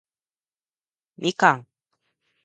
蜜柑